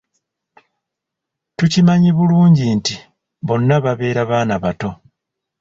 Tukimanyi bulungi nti bano babeera baana bato.